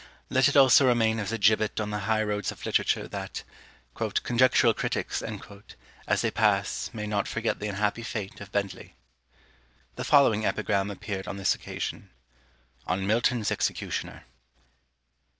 Let it also remain as a gibbet on the high roads of literature; that "conjectural critics" as they pass may not forget the unhappy fate of Bentley. The following epigram appeared on this occasion: ON MILTON'S EXECUTIONER.